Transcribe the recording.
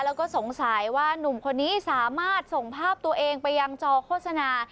แล้วก็สงสัยว่านุ่มคนนี้สามารถส่งภาพตัวเองไปยังจอโฆษณา